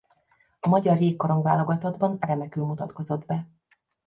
A Magyar jégkorong-válogatottban remekül mutatkozott be.